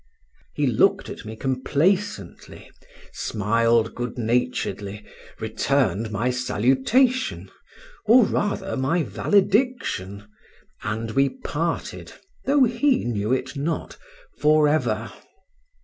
He looked at me complacently, smiled good naturedly, returned my salutation (or rather my valediction), and we parted (though he knew it not) for ever.